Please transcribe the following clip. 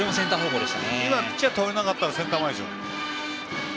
今ピッチャーとれなかったらセンター前でしたね。